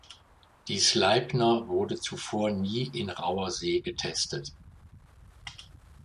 Die "Sleipner" wurde zuvor nie in rauer See getestet.